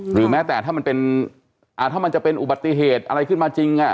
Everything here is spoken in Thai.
หรือแม้แต่ถ้ามันเป็นถ้ามันจะเป็นอุบัติเหตุอะไรขึ้นมาจริง